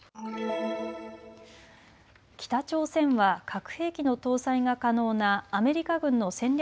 北朝鮮は核兵器の搭載が可能なアメリカ軍の戦略